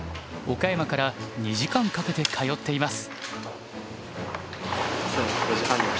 岡山から２時間かけて通っています。